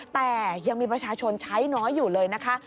แต่ยังมีประชาชนใช้น้อยอยู่เลยนะคะ